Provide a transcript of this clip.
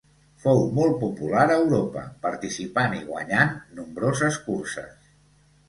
Fou molt popular a Europa participant i guanyant nombroses curses.